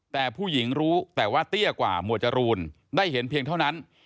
แต่ผู้หญิงรู้แต่ว่าเตี้ยกว่าหมวดจรูนได้เห็นเพียงเท่านั้น